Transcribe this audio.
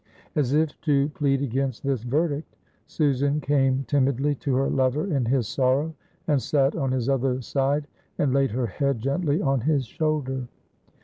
As if to plead against this verdict, Susan came timidly to her lover in his sorrow, and sat on his other side, and laid her head gently on his shoulder.